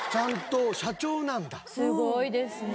すごいですね。